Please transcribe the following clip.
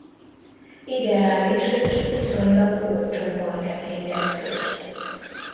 Ideális és viszonylag olcsó marketing eszköz.